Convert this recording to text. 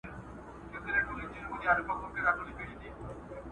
د توکو بیې د پخوا په پرتله لوړې دي.